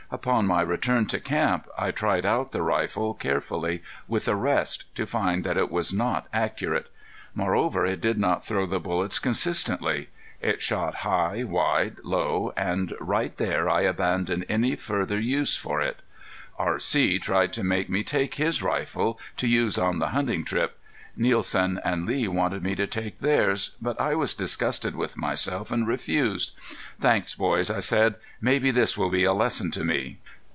Upon my return to camp I tried out the rifle, carefully, with a rest, to find that it was not accurate. Moreover it did not throw the bullets consistently. It shot high, wide, low; and right there I abandoned any further use for it. R.C. tried to make me take his rifle to use on the hunting trip; Nielsen and Lee wanted me to take theirs, but I was disgusted with myself and refused. "Thanks, boys," I said. "Maybe this will be a lesson to me."